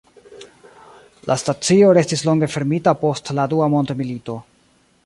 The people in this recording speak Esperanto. La stacio restis longe fermita post la Dua mondmilito.